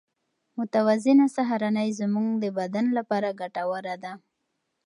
متوازنه سهارنۍ زموږ د بدن لپاره ګټوره ده.